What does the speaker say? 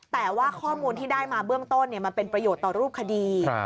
แต่ว่าข้อมูลที่ได้มาเบื้องต้นมันเป็นประโยชน์ต่อรูปคดี